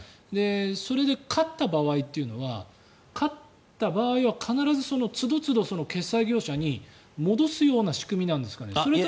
それで勝った場合というのは必ず都度都度、決済業者に戻す仕組みなんですかね。